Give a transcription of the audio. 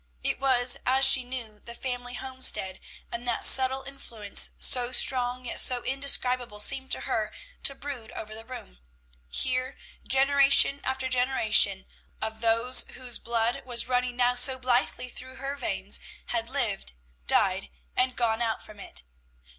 It was, as she knew, the family homestead, and that subtile influence, so strong yet so indescribable, seemed to her to brood over the room. Here generation after generation of those whose blood was running now so blithely through her veins had lived, died, and gone out from it.